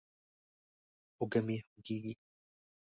اوږه مې خوږېږي.